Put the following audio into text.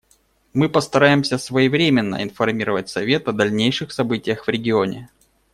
Мы постараемся своевременно информировать Совет о дальнейших событиях в регионе.